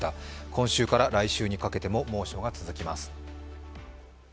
今週から来週にかけても猛暑が続きます。